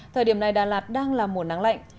thời điểm này đà lạt đang là mùa nắng lạnh